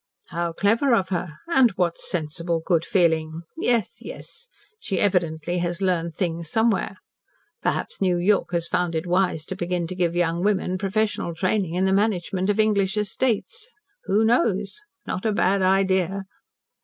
"How clever of her! And what sensible good feeling! Yes yes! She evidently has learned things somewhere. Perhaps New York has found it wise to begin to give young women professional training in the management of English estates. Who knows? Not a bad idea."